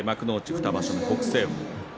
２場所目、北青鵬